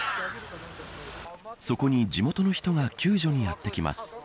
そこに地元の人が救助にやってきます。